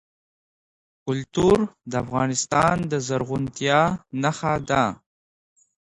کلتور د افغانستان د زرغونتیا نښه ده.